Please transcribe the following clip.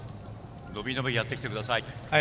伸び伸びやってきてください。